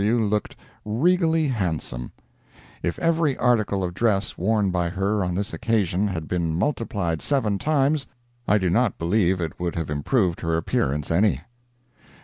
W. looked regally handsome. If every article of dress worn by her on this occasion had been multiplied seven times, I do not believe it would have improved her appearance any.